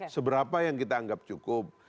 seberapa yang kita anggap cukup